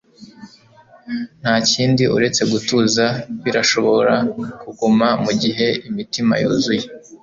Ntakindi uretse gutuza birashobora kuguma mugihe imitima yuzuye